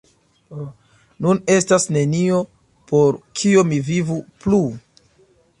Nun estas nenio, por kio mi vivu plu“.